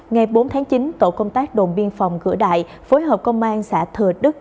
ngày bốn tháng chín tổ công tác đồn biên phòng cửa đại phối hợp công an xã thừa đức